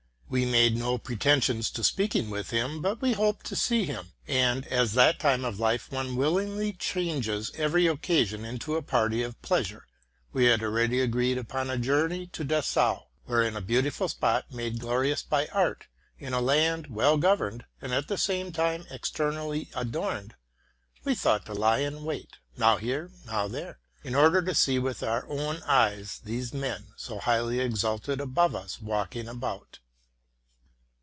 We made no pretensions to speaking with him, but we hoped to see him; and, as at that time of life one will ingly changes every occasion into a party of pleasure, we had already agreed upon a journey to Dessau, where in a beautiful spot, made glorious by art, in a land well governed and at the same time externally adorned, we thought to lie in wait, now here, now there, in order to see with our own eyes these men so highly exalted above us walking about.